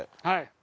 はい。